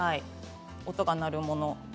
音が鳴るもの。